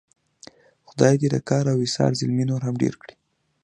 خدای دې د کار او ایثار زلمي نور هم ډېر کړي.